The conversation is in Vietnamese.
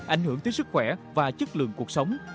ảnh hưởng tới sức khỏe và chất lượng cuộc sống